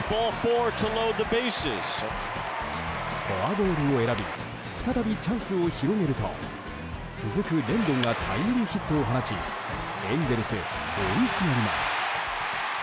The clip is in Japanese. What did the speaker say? フォアボールを選び再びチャンスを広げると続くレンドンがタイムリーヒットを放ちエンゼルス、追いすがります。